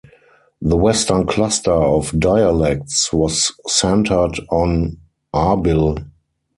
The western cluster of dialects was centred on Arbil.